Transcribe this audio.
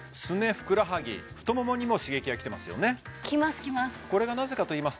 ふくらはぎ太ももにも刺激がきてますよねきますきます